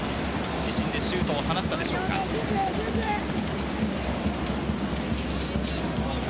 自身でシュートを放ったでしょうか。